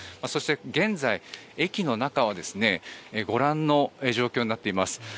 そして現在、駅の中はご覧の状況になっています。